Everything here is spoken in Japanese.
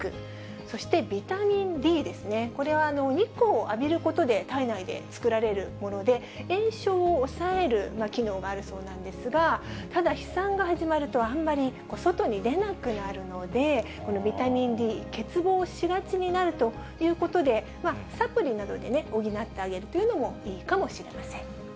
そしてビタミンＤですね、これは、日光を浴びることで体内で作られるもので、炎症を抑える機能があるそうなんですが、ただ、飛散が始まるとあんまり、外に出なくなるので、ビタミンＤ、欠乏しがちになるということで、サプリなどで補ってあげるというのもいいかもしれません。